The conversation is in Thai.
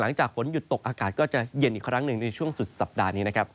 หลังจากฝนหยุดตกอากาศก็จะเย็นอีกครั้งหนึ่งในช่วงสุดสัปดาห์นี้นะครับ